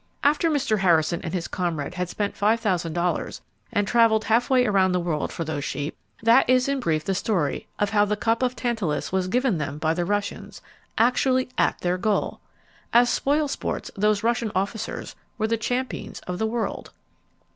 After Mr. Harrison and his comrade had spent $5,000, and traveled half way around the world for those sheep, that is in brief the story of how [Page 192] the cup of Tantalus was given them by the Russians, actually at their goal! As spoil sports, those Russian officers were the champions of the world.